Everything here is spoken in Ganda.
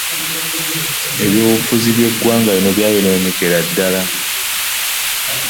eby'obufuzi by'eggwanga lino byayonoonekera ddala.